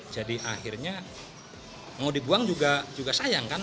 jadi akhirnya mau dibuang juga sayang kan